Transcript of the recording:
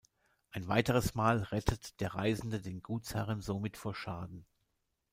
Ein weiteres Mal rettet der Reisende den Gutsherren somit vor Schaden.